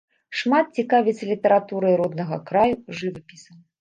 Шмат цікавіцца літаратурай роднага краю, жывапісам.